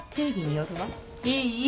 いい？